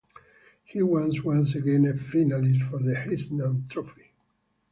He was once again a finalist for the Heisman Trophy.